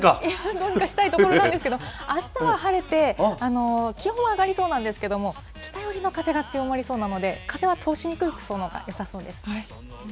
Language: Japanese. どうにかしたいところなんですけれども、あしたは晴れて、気温は上がりそうなんですけれども、北寄りの風が強まりそうなので、風を通しにくい服装のほうがよさそうですね。